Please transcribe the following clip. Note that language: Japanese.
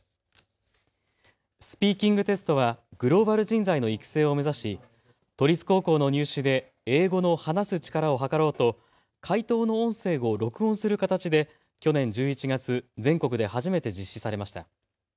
スピーキングテストはグローバル人材の育成を目指し都立高校の入試で英語の話す力をはかろうと解答の音声を録音する形で去年１１月、全国で初めて実施されました。